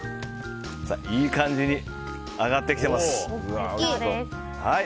いい感じに揚がってきています。